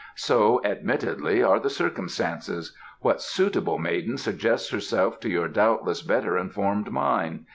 "So, admittedly, are the circumstances. What suitable maiden suggests herself to your doubtless better informed mind?